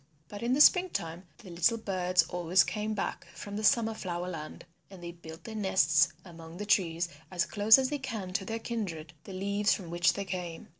But in the spring time the little birds always come back from the Summer Flower Land. And they build their nests among the trees as close as they can to their kindred, the leaves from which they came.